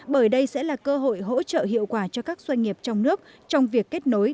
bởi đây sẽ là cơ hội hỗ trợ hiệu quả cho các doanh nghiệp trong nước trong việc kết nối